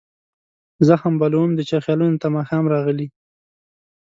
زخم بلوم د چا خیالونو ته ماښام راغلي